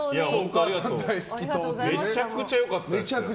めちゃくちゃ良かったですよ。